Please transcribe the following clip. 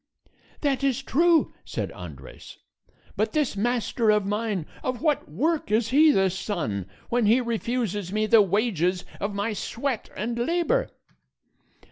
"That is true," said Andres; "but this master of mine of what work is he the son, when he refuses me the wages of my sweat and labor?"